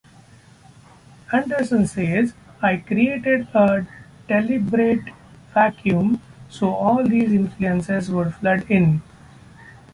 Anderson says, I created a deliberate vacuum so all these influences would flood in.